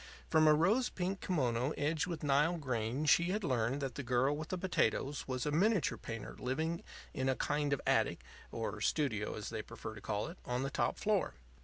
From a rose pink kimono edged with Nile green she had learned that the girl with the potatoes was a miniature painter living in a kind of attic or "studio," as they prefer to call it on the top floor.